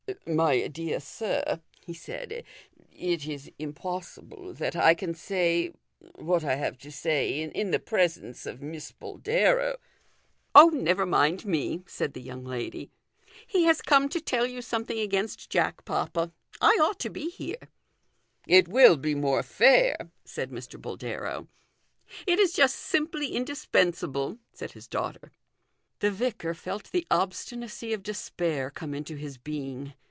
" My dear sir," he said, " it is impossible that I can say what I have to say in the presence of Miss Boldero " ".Oh, never rnind me," said the young lady. " He has come to tell you something against Jack, papa. I ought to be here "" It will be more fair," said Mr. Boldero. " It is just simply indispensable," said his daughter. The vicar felt the obstinacy of despair come into his being.